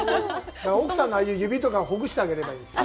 奥さんの指とか、ほぐしてあげればいいんですよ。